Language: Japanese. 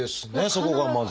そこがまず。